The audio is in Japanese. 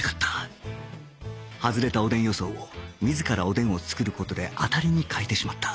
外れたおでん予想を自らおでんを作る事で当たりに変えてしまった